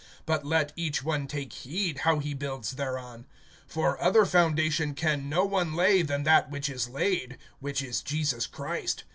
But let each one take heed how he builds thereon. (11)For other foundation can no one lay than that which is laid, which is Jesus Christ.